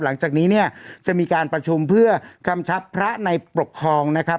หลังจากนี้เนี่ยจะมีการประชุมเพื่อกำชับพระในปกครองนะครับ